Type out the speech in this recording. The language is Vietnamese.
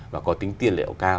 và có tính tiên liệu cao